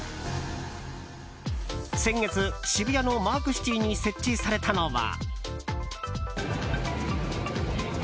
先月、渋谷のマークシティに設置されたのは。